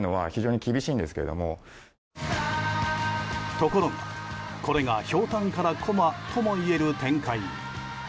ところが、これがひょうたんからこまともいえる展開に。